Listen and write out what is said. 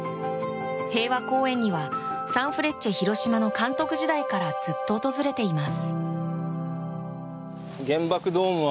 平和公園にはサンフレッチェ広島の監督時代からずっと訪れています。